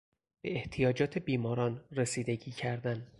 به احتیاجات بیماران رسیدگی کردن